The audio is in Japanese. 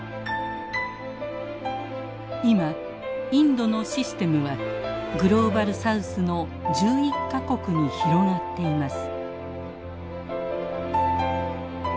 今インドのシステムはグローバル・サウスの１１か国に広がっています。